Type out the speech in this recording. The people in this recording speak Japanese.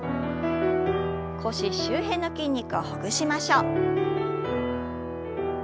腰周辺の筋肉をほぐしましょう。